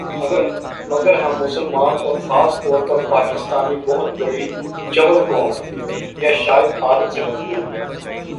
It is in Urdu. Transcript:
مگر ہم مسلمان اور خاص طور پر پاکستانی بہت بڑی چول قوم ہیں ، یا شاید عادت سے مجبور ہیں